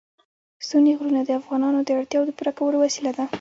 ستوني غرونه د افغانانو د اړتیاوو د پوره کولو وسیله ده.